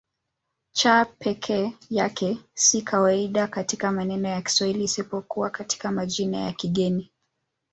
C peke yake si kawaida katika maneno ya Kiswahili isipokuwa katika majina ya kigeni.